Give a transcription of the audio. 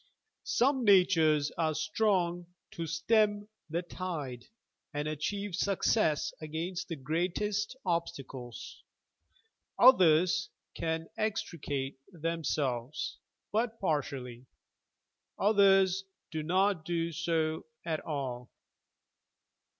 Some na tures are strong to stem the tide and achieve success against the greatest obstacles; others can extricate them selves but partially, others do not do so at all.